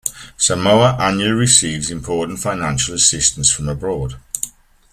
Samoa annually receives important financial assistance from abroad.